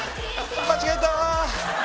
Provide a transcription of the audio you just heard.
間違えた！